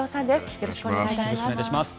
よろしくお願いします。